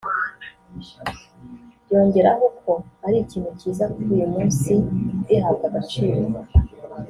yongeraho ko ari ikintu cyiza kuba uyu munsi bihabwa agaciro